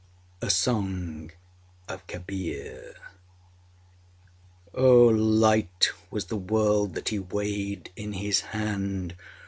A SONG OF KABIR Oh, light was the world that he weighed in his hands!